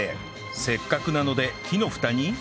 せっかくなので木のフタに